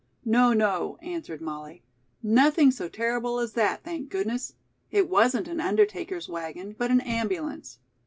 "No, no," answered Molly, "nothing so terrible as that, thank goodness. It wasn't an undertaker's wagon, but an ambulance."